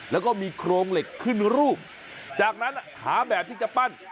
แล้วก็มีโครงเหล็กขึ้นรูปจากนั้นหาแบบที่จะปั้น